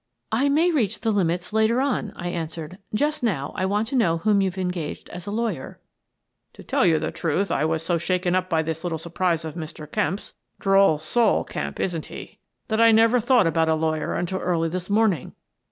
" I may reach the limits later on," I answered. " Just now I want to know whom you've engaged as a lawyer." " To tell you the truth, I was so shaken up by this little surprise of Mr. Kemp's — droll soul, Kemp, isn't he? — that I never thought about a lawyer until early this morning."